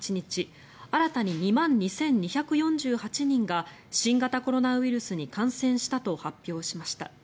新たに２万２２４８人が新型コロナウイルスに感染したと発表しました。